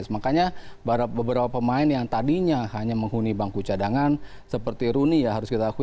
makanya beberapa pemain yang tadinya hanya menghuni bangku cadangan seperti rooney ya harus kita akui